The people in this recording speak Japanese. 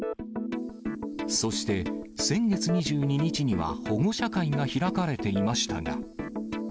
そして、先月２２日には保護者会が開かれていましたが。